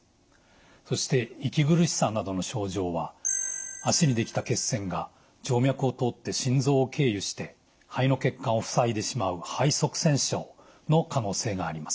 そして息苦しさなどの症状は脚にできた血栓が静脈を通って心臓を経由して肺の血管をふさいでしまう肺塞栓症の可能性があります。